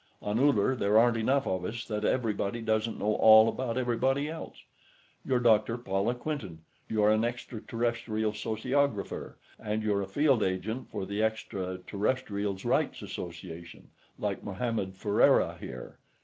On Uller, there aren't enough of us that everybody doesn't know all about everybody else. You're Dr. Paula Quinton; you're an extraterrestrial sociographer, and you're a field agent for the Extraterrestrials' Rights Association, like Mohammed Ferriera, here."